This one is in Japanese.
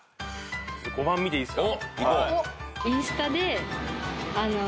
５番見ていいっすか？